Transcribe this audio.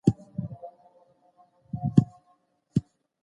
د بد ګاونډي له لاسه کور پلورل کیږي.